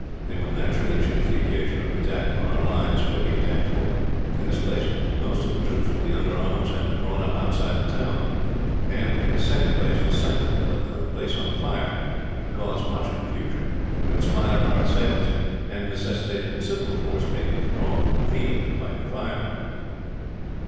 They would naturally choose the occasion of an attack upon our lines for the attempt for, in the first place, most of the troops will be under arms and drawn up outside the town; and in the second place the sight of the place on fire would cause much confusion, would inspirit our assailants, and necessitate a considerable force being withdrawn from the field, to fight the fire.